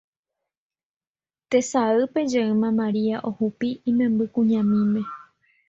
Tesaýpe jeýma Maria ohupi imembykuñamíme